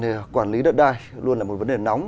thì quản lý đất đai luôn là một vấn đề nóng